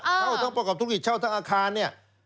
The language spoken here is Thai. เช่าทั้งประกอบธุรกิจเช่าทั้งอาคารเนี่ย